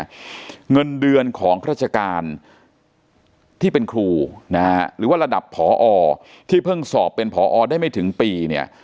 แล้วแต่เนี่ยเงินเดือนของราชการที่เป็นครูหรือว่าระดับพอที่เพิ่งสอบเป็นพอได้ไม่ถึงปี